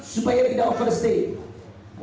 supaya tidak overstate